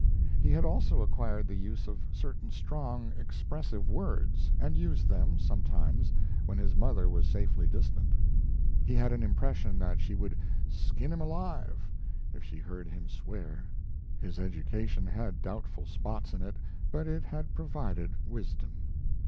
He had also acquired the use of certain strong, expressive words, and used them, sometimes, when his mother was safely distant. He had an impression that she would "skin him alive" if she heard him swear. His education had doubtful spots in it, but it had provided wisdom.